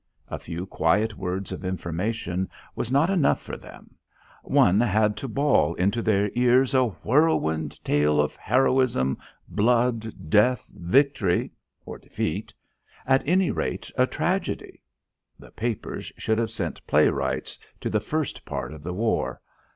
A few quiet words of information was not enough for them; one had to bawl into their ears a whirlwind tale of heroism, blood, death, victory or defeat at any rate, a tragedy. The papers should have sent playwrights to the first part of the war.